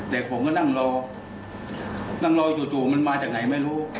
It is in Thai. แต่ผมก็นั่งรอนั่งรอจู่มันมาจากไหนไม่รู้